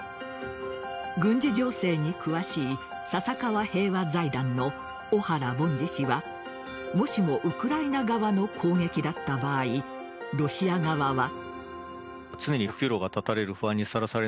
軍事情勢に詳しい笹川平和財団の小原凡司氏はもしもウクライナ側の攻撃だった場合ロシア側は。